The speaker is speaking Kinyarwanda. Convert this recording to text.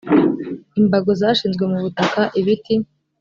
imbago zashinzwe mu butaka ibiti